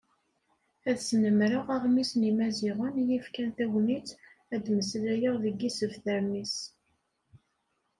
Ad snemreɣ Aɣmis n Yimaziɣen iyi-yefkan tagnit, ad d-mmeslayeɣ deg yisebtaren-is.